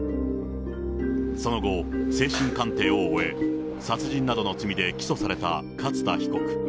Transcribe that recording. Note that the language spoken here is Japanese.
その後、精神鑑定を終え、殺人などの罪で起訴された勝田被告。